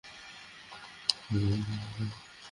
চিন্তা করতে শেখবার আগেই মনটা নানা বিষয়ের সংবাদে পূর্ণ হয়ে উঠে।